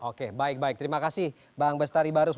oke baik baik terima kasih bang bestari barus